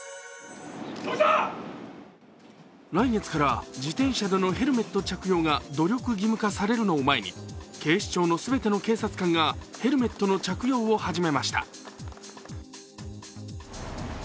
来月から自転車でのヘルメット着用が努力義務化されるのを前に警視庁の全ての警察官がヘルメットの着用を始めました。